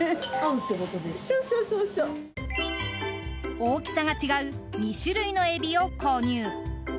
大きさが違う２種類のエビを購入。